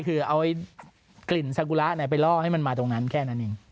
คือเอากลิ่นสากุระไปล่อให้มันมาตรงนั้นแค่นั้นเอง